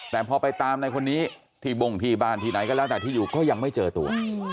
แต่พอไปตามในคนนี้ที่บ่งที่บ้านที่ไหนก็แล้วแต่ที่อยู่ก็ยังไม่เจอตัว